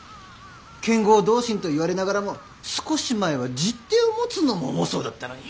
剣豪同心と言われながらも少し前は十手を持つのも重そうだったのに。